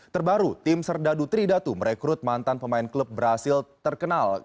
terbaru tim serdadu tridatu merekrut mantan pemain klub brazil terkenal